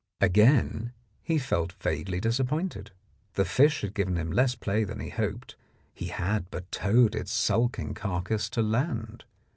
Again he felt vaguely disappointed. The fish had given him less play than he hoped; he had but towed its sulking carcass to land.